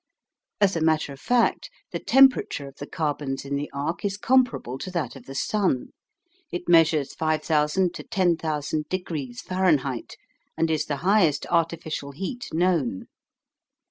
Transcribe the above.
As a matter of fact, the temperature of the carbons in the arc is comparable to that of the Sun. It measures 5000 to 10,000 degrees Fahrenheit, and is the highest artificial heat known.